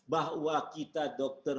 bahwa kita dokter